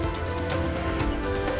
di jepang kami juga menemukan